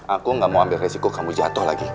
aku gak mau ambil resiko kamu jatuh lagi